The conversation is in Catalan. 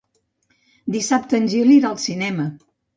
Dissabte en Gil irà al cinema.